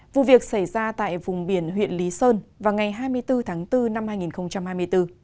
vụ việc xảy ra tại vùng biển huyện lý sơn vào ngày hai mươi bốn tháng bốn năm hai nghìn hai mươi bốn